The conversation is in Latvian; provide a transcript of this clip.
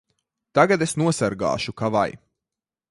Tagad es nosargāšu ka vai!